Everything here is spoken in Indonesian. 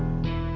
bukan cuma itu